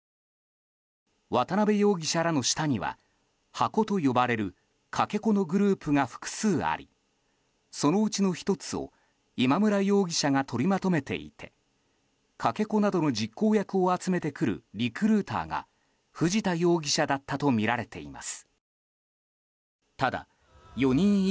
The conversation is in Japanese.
渡邉容疑者らの下にはハコと呼ばれるかけ子のグループが複数ありそのうちの１つを今村容疑者が取りまとめていてかけ子などの実行役を集めてくるリクルーターが藤田容疑者だったとみられています。